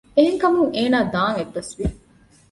އެހެންކަމުން އޭނާ ދާން އެއްބަސްވި